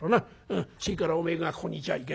うんそれからおめえがここにいちゃいけねえ。